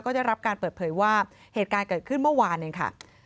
ก็ได้รับการเปิดเผยว่าเหตุการณ์เกิดขึ้นเมื่อวานเองค่ะ